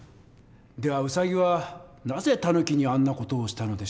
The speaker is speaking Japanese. ではウサギはなぜタヌキにあんな事をしたのでしょう？